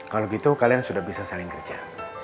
kalau gitu kalian sudah bisa saling kerja